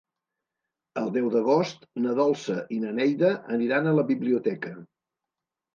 El deu d'agost na Dolça i na Neida aniran a la biblioteca.